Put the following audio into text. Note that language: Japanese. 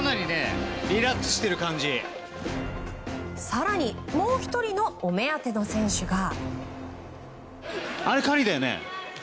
更にもう１人のお目当ての選手が。